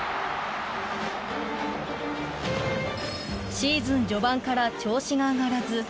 シーズン序盤から調子が上がらず５月には